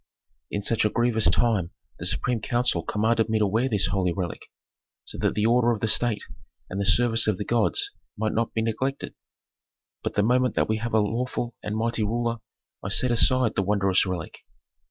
"In such a grievous time the supreme council commanded me to wear this holy relic, so that the order of the state and the service of the gods might not be neglected. But the moment that we have a lawful and mighty ruler I set aside the wondrous relic."